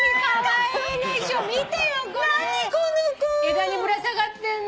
枝にぶら下がってんの。